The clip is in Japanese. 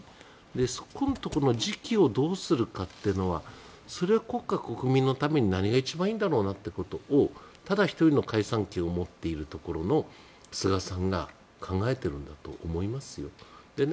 そこのところの時期をどうするかっていうのはそれは国家、国民のために何が一番いいんだろうなってことをただ１人の、解散権を持っているところの菅さんが考えているんだと思います。